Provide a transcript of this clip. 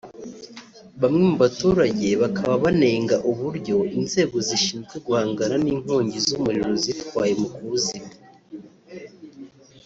Bamwe mu baturage bakaba banenga uburyo inzego zishinzwe guhangana n’inkongi z’umuriro zitwaye mu kuwuzimya